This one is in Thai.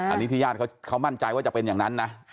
อันนี้ที่ญาติเขามั่นใจว่าจะเป็นอย่างนั้นนะ